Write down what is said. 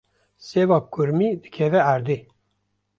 Sêva kurmî dikeve erdê.